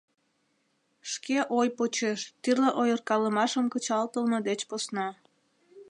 Шке ой почеш, тӱрлӧ ойыркалымашым кычалтылме деч посна.